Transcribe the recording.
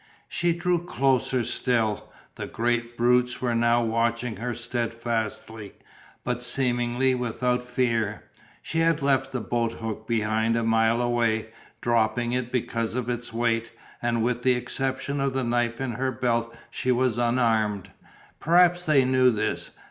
She drew closer still. The great brutes were now watching her steadfastly, but seemingly without fear. She had left the boat hook behind a mile away, dropping it because of its weight, and with the exception of the knife in her belt she was unarmed. Perhaps they knew this.